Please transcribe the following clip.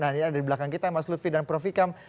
nah ini ada di belakang kita mas lutfi dan prof ikam